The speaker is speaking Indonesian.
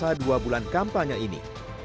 selama dua bulan kampanye ini